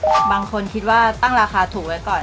บางคนคิดว่าตั้งราคาถูกไว้ก่อน